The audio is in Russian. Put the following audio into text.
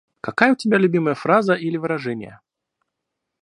Какая у тебя любимая фраза или выражение?